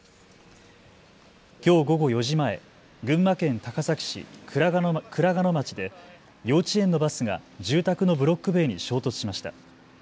きょう午後４時前、群馬県高崎市倉賀野町で幼稚園のバスが住宅のブロック塀に衝突しました。